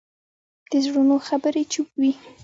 د زړونو خبرې چوپ وي